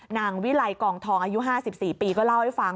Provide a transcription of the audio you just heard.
นางวิไลกองทองอายุ๕๔ปีก็เล่าให้ฟัง